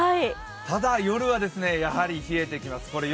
ただ、夜はやはり冷えてきます。